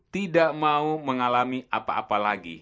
tidak mau mengalami apa apa lagi